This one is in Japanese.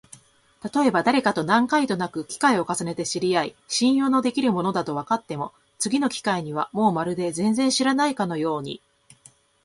たとえばだれかと何回となく機会を重ねて知り合い、信用のできる者だとわかっても、次の機会にはもうまるで全然知らないかのように、